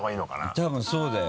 多分そうだよ。